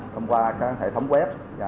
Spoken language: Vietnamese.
thông qua các hệ thống web